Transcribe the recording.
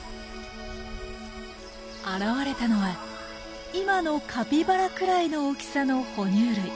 現れたのは今のカピバラくらいの大きさのほ乳類。